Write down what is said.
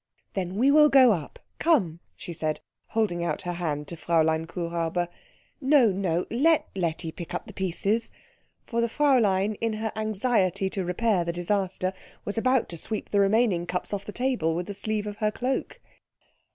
"Then we will go up. Come," she said, holding out her hand to Fräulein Kuhräuber. "No, no let Letty pick up the pieces " for the Fräulein, in her anxiety to repair the disaster, was about to sweep the remaining cups off the table with the sleeve of her cloak.